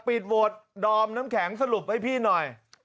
ปิดโวทย์ดอมน้ำแข็งสรุปให้พี่หน่อย